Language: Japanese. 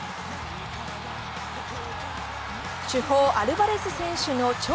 主砲・アルバレス選手の超